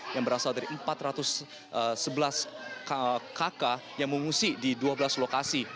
yang berasal dari empat ratus sebelas kakak yang mengungsi di dua belas lokasi